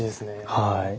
はい。